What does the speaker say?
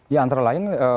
ya antara lain